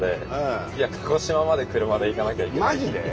マジで？